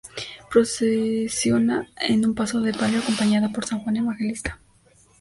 Procesiona en un paso de palio acompañada por san Juan Evangelista.